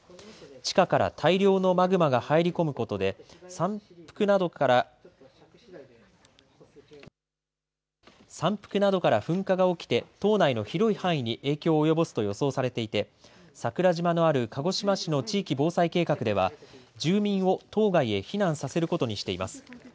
地下から大量のマグマが入り込むことで、山腹などから噴火が起きて、島内の広い範囲で影響を及ぼすと予定されていて、鹿児島市の地域防災計画では住民を島外へ避難させることにしています。